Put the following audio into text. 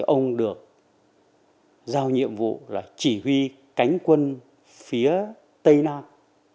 ông được giao nhiệm vụ là chỉ huy cánh quân phía tây nam